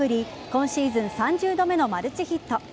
今シーズン３０度目のマルチヒット。